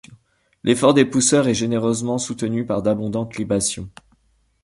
L’effort des pousseurs est généreusement soutenu par d’abondantes libations.